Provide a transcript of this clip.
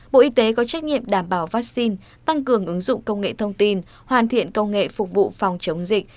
bộ y tế có trách nhiệm đảm bảo vaccine tăng cường ứng dụng công nghệ thông tin hoàn thiện công nghệ phục vụ phòng chống dịch